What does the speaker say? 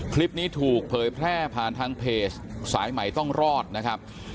คลิปนี้ถูกเผยแพร่ผ่านทางเพจสายใหม่ต้องรอดนะครับ